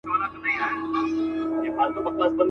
هم به د دوست، هم د رقیب له لاسه زهر چښو.